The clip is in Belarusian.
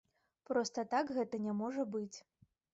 Проста так гэта не можа быць.